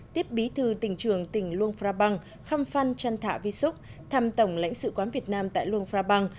tiếp bí thư tỉnh trường tỉnh luông phra bang khăm phan trăn thạ vi súc thăm tổng lãnh sự quán việt nam tại luông phra bang